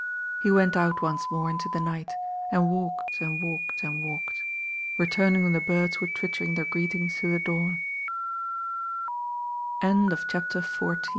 He went out once more into the night and walked and walked and walked, returning when the birds were twittering their greetings to the dawn CHAPTER Xy LONDON AND LOR